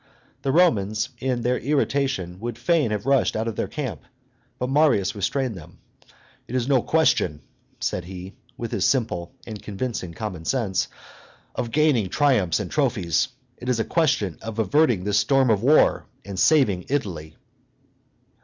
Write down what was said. The Romans, in their irritation, would fain have rushed out of their camp, but Marius restrained them. "It is no question," said he, with his simple and convincing common sense, "of gaining triumphs and trophies; it is a question of averting this storm of war and of saving Italy."